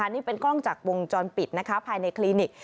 นี่เป็นกล้องจากวงจรปิดภายในคลินิก